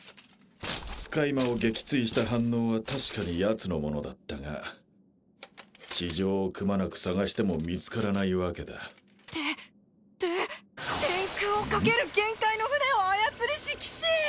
使い魔を撃墜した反応は確かにヤツのものだったが地上をくまなく捜しても見つからないわけだてて天空をかける幻海の舟を操りし騎士！